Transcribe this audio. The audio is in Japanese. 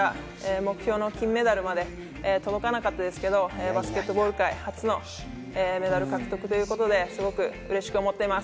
目標の金メダルまで届かなかったですけれども、バスケットボール界初のメダル獲得ということですごくうれしく思っています。